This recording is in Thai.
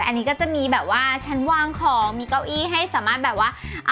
อันนี้ก็จะมีแบบว่าฉันวางของมีเก้าอี้ให้สามารถแบบว่า